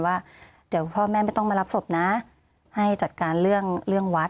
ว่าเดี๋ยวพ่อแม่ไม่ต้องมารับศพนะให้จัดการเรื่องเรื่องวัด